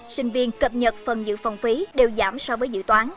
sinh viên cập nhật phần giữ phòng phí đều giảm so với dự toán